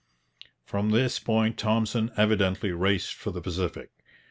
From this point Thompson evidently raced for the Pacific.